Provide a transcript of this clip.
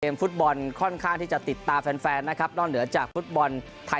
ฟุตบอลค่อนข้างที่จะติดตาแฟนแฟนนะครับนอกเหนือจากฟุตบอลไทย